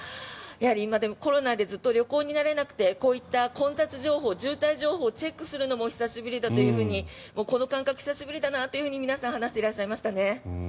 やはりコロナでずっと旅行に慣れなくてこういった混雑情報渋滞情報をチェックするのも久しぶりだとこの感覚久しぶりだと皆さん話していらっしゃいました。